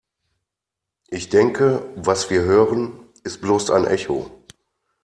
Ich denke, was wir hören, ist bloß ein Echo.